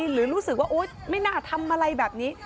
หรือรู้สึกว่าโอ๊ยไม่น่าทำอะไรแบบนี้